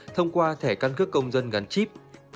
thông qua thẻ căn cước công dân gắn chip